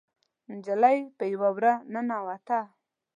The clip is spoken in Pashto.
نجلۍ په يوه وره ننوته.